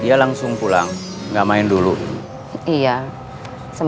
akang tadi udah ngasih tau cecep